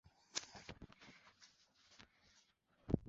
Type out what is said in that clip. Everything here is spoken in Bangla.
একইভাবে আমার বিশ্বাস ঈশ্বর বুফেতেও হাজির হবেন, এখানকার টার্কি সসেজটা চমৎকার।